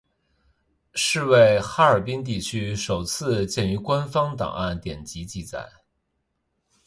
是为哈尔滨地区首次见于官方档案典籍记载。